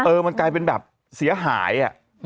มันกลายเป็นแบบเสียหาย